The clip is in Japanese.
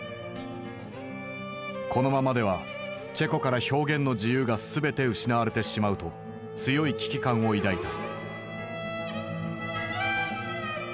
このままではチェコから表現の自由が全て失われてしまうと強い危機感を抱いた。